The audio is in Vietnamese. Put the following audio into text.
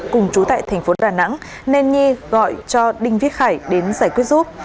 cùng trú tại tp đà nẵng nên nhi gọi cho đinh viết khải đến giải quyết giúp